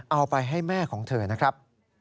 เอาไปให้แม่ของเธอนะครับ